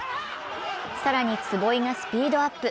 更に坪井がスピードアップ。